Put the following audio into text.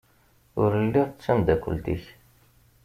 Ur lliɣ d tamdakelt-ik.